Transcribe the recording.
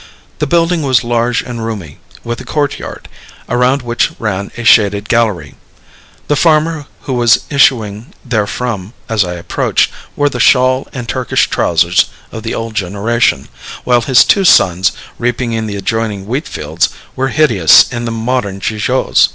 The building was large and roomy, with a court yard, around which ran a shaded gallery. The farmer who was issuing therefrom as I approached wore the shawl and Turkish trousers of the old generation, while his two sons, reaping in the adjoining wheat fields, were hideous in the modern gigots.